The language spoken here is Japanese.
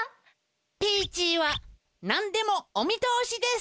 ピーチーはなんでもお見とおしです！